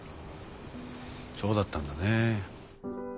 そうだったんだね。